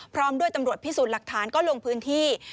พร้อมด้วยตำรวจพิสูจน์หลักฐานก็ลงพื้นที่